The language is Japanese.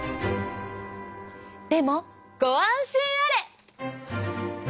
でもご安心あれ！